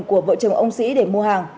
của vợ chồng ông sĩ để mua hàng